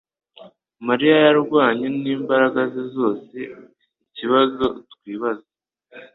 mariya yarwanye n'imbaraga ze zose ikibazo twibaza